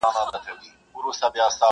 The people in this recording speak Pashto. د آسمان غېږه وه ډکه له بازانو -